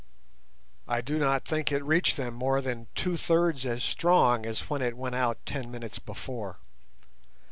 I do not think it reached them more than two thirds as strong as it went out ten minutes before.